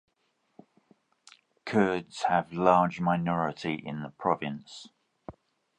Kurds have large minority in the province.